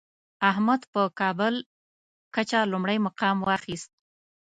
احمد په کابل کچه لومړی مقام واخیست.